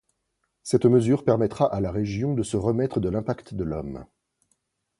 Cette mesure permettra à la région de se remettre de l'impact de l'homme.